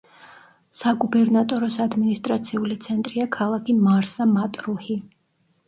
საგუბერნატოროს ადმინისტრაციული ცენტრია ქალაქი მარსა-მატრუჰი.